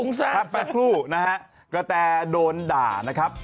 พักสักครู่นะฮะกระแตโดนด่านะครับ